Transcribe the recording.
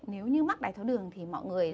nếu như mắc đài tháo đường thì mọi người